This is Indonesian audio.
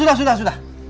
sudah sudah sudah